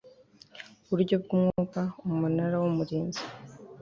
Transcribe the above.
buryo bw umwuka Umunara w Umurinzi